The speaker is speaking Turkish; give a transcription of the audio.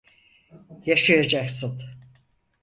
Yaşayacaksın.